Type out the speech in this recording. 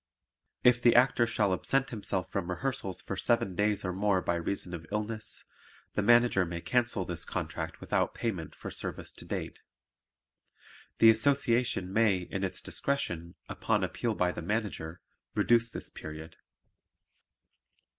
If the Actor shall absent himself from rehearsals for seven days or more by reason of illness, the Manager may cancel this contract without payment for service to date. The Association may, in its discretion, upon appeal by the Manager, reduce this period.